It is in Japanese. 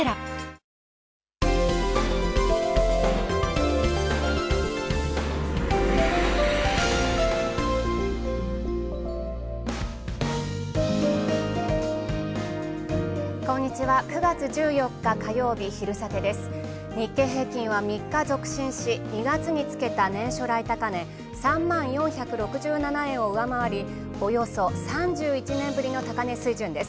日経平均株価は３日続伸し２月につけた年初来高値、３万４６７円を上回り、およそ３１年ぶりの高値水準です。